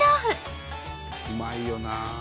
うまいよなあ。